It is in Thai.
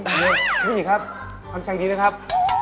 ฉันต้องมีครับคันใจดีนะครับ